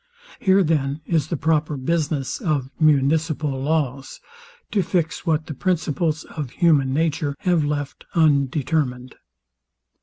Here then is the proper business of municipal laws, to fix what the principles of human nature have left undetermined.